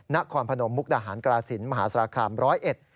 นครพนมมุกดาหารกราศิลปมหาสารคามร้อยเอ็ด